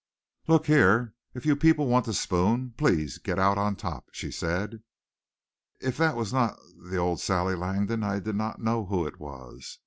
"Look here, if you people want to spoon, please get out on top," she said. If that was not the old Sally Langdon I did not know who it was.